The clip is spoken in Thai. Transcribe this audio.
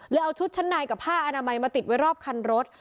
เอาชุดชั้นในกับผ้าอนามัยมาติดไว้รอบคันรถ